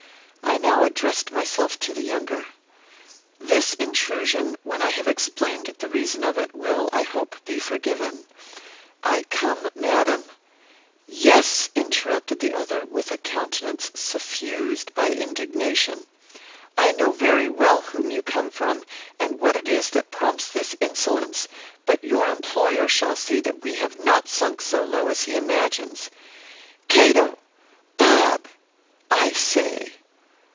I now addressed myself to the younger: "This intrusion, when I have explained the reason of it, will, I hope, be forgiven. I come, madam " "Yes," interrupted the other, with a countenance suffused by indignation, "I know very well whom you come from, and what it is that prompts this insolence; but your employer shall see that we have not sunk so low as he imagines. Cato! Bob! I say."